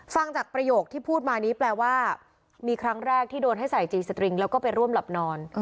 ฟังจากประโยคที่พูดมานี้แปลว่ามีครั้งแรกที่โดนให้ใส่จีสตริงแล้วก็ไปร่วมหลับนอน